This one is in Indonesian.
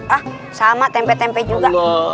ah sama tempe tempe juga